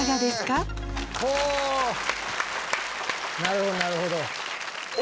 なるほどなるほど。